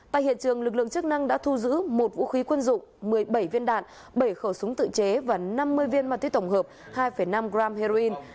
tại hiện trường lực lượng chức năng đã thu giữ một vũ khí quân dụng một mươi bảy viên đạn bảy khẩu súng tự chế và năm mươi viên ma túy tổng hợp hai năm gram heroin